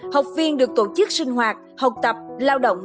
học viên được tổ chức sinh hoạt học tập lao động